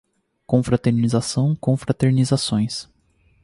Confraternização, confraternizações